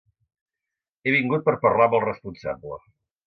He vingut per parlar amb el responsable.